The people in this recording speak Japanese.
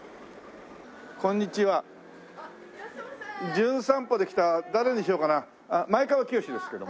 『じゅん散歩』で来た誰にしようかな前川清ですけど。